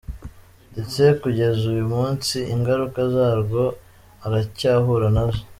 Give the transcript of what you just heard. ndetse kugeza uyu munsi ingaruka zarwo aracyahura nazo.